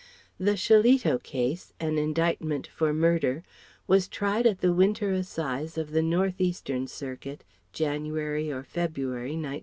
The "Shillito Case," an indictment for murder, was tried at the winter assize of the North eastern Circuit, January or February, 1909.